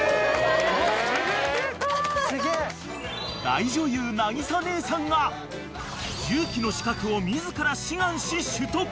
［大女優なぎさ姉さんが重機の資格を自ら志願し取得］